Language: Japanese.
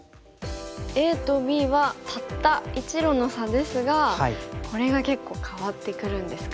ＡとＢはたった１路の差ですがこれが結構変わってくるんですかね。